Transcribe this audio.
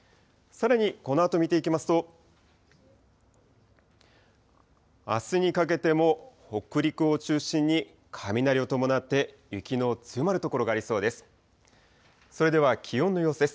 さらにこのあと見ていきますと、あすにかけても北陸を中心に、雷を伴って雪の強まる所がありそうです。